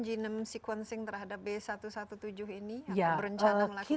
bagaimana sudah dilakukan genome sequencing terhadap b satu ratus tujuh belas ini